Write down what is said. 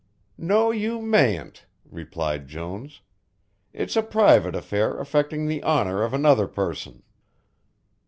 "No, you mayn't," replied Jones, "it's a private affair affecting the honour of another person."